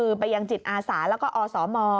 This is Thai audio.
คือไปยังจิตอาสาแล้วก็อสม